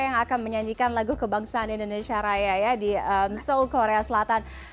yang akan menyanyikan lagu kebangsaan indonesia raya ya di seoul korea selatan